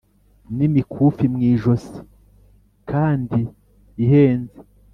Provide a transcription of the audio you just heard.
N’imikufi mu ijosi kndi ihenze